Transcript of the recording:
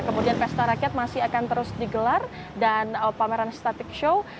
kemudian pesta rakyat masih akan terus digelar dan pameran static show